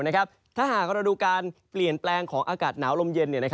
ถ้าหากเราดูการเปลี่ยนแปลงของอากาศหนาวลมเย็น